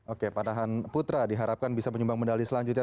oke panahan putra diharapkan bisa menyumbang medali selanjutnya